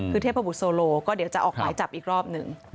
คือเทพบุตรโซโลก็เดี๋ยวจะออกหมายจับอีกรอบหนึ่ง